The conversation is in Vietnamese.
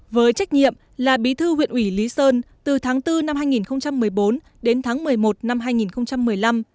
với trách nhiệm là bí thư huyện ủy lý sơn từ tháng bốn năm hai nghìn một mươi bốn đến tháng một mươi một năm hai nghìn một mươi năm